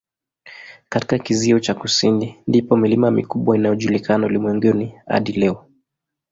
Katika kizio cha kusini ndipo milima mikubwa inayojulikana ulimwenguni hadi leo.